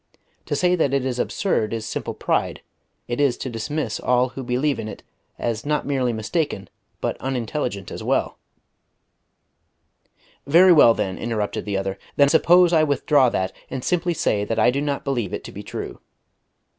To say that it is absurd is simple pride; it is to dismiss all who believe in it as not merely mistaken, but unintelligent as well " "Very well, then," interrupted the other; "then suppose I withdraw that, and simply say that I do not believe it to be true."